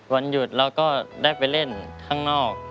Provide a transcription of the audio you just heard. วันหยุดเราก็ได้ไปเล่นข้างนอก